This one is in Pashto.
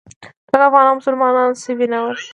ټول افغانان مسلمانان شوي نه ول.